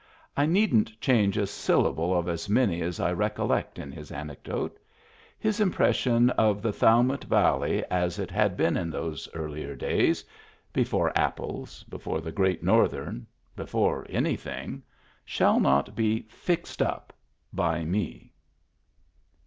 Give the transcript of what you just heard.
I needn't change a syllable of as many as I recollect in his anecdote. His impression of the Thowmet Valley as it had been in those earlier days — before apples, before the Great Northern, before anything — shall not be " fixed up " by me.